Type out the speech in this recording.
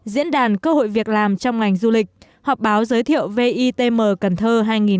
diễn đàn cơ hội việc làm trong ngành du lịch họp báo giới thiệu vitm cần thơ hai nghìn một mươi chín